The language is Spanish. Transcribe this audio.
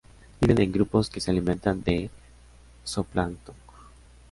Viven en grupos que se alimentan de zooplancton.